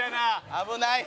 危ない。